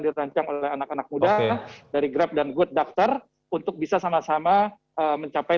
dirancang oleh anak anak muda dari grab dan good doctor untuk bisa sama sama mencapai